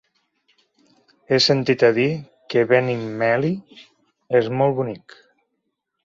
He sentit a dir que Benimeli és molt bonic.